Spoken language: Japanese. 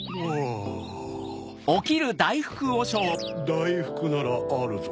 だいふくならあるぞ。